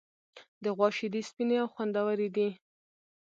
د غوا شیدې سپینې او خوندورې دي.